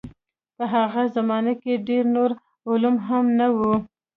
په هغه زمانه کې ډېر نور علوم هم نه وو.